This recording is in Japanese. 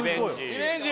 リベンジ